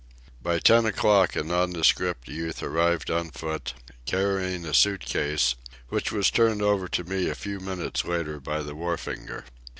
By ten o'clock a nondescript youth arrived on foot, carrying a suit case, which was turned over to me a few minutes later by the wharfinger.